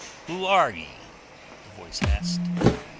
"Who are ye?" the voice asked.